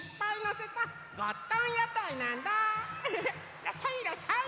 いらっしゃいいらっしゃい！